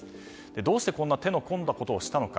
どうしてこんな手の込んだことをしたのか。